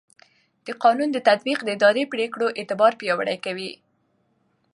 د قانون تطبیق د اداري پرېکړو اعتبار پیاوړی کوي.